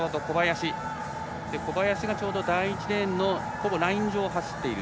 小林がちょうど第１レーンのほぼライン上を走っている。